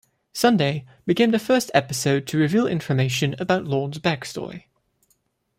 "Sunday" became the first episode to reveal information about Lorne's backstory.